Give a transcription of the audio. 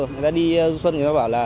người ta đi xuân